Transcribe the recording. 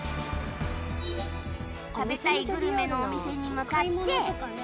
食べたいグルメのお店に向かって